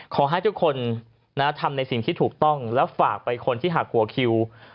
ขอให้ทุกคนทำในสิ่งที่ถูกต้องและฝากไปคนที่หักหัวคิว